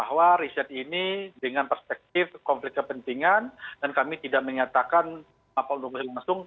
yang kedua bahwa riset ini dengan perspektif konflik kepentingan dan kami tidak menyatakan apa untuk langsung